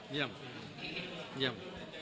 เยี่ยม